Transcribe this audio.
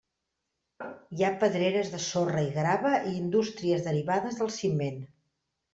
Hi ha pedreres de sorra i grava i indústries derivades del ciment.